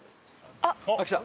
あっ来た！